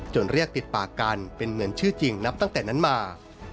เรียกติดปากกันเป็นเหมือนชื่อจริงนับตั้งแต่นั้นมา